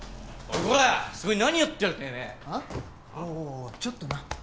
おおちょっとな。